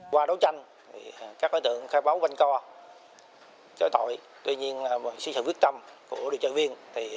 qua đấu tranh các đối tượng khai báo văn co trái tội tuy nhiên sự quyết tâm của đội trợ viên